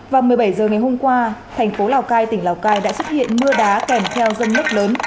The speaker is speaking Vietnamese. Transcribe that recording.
vào một mươi bảy h ngày hôm qua thành phố lào cai tỉnh lào cai đã xuất hiện mưa đá kèm theo rông lốc lớn